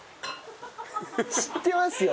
知ってますよ。